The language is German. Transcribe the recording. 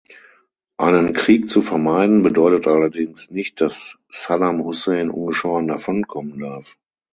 Einen Krieg zu vermeiden, bedeutet allerdings nicht, dass Saddam Hussein ungeschoren davonkommen darf.